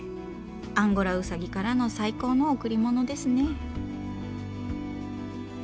アンゴラウサギからの最高の贈り物ですね。